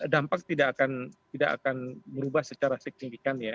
dampak tidak akan berubah secara signifikan ya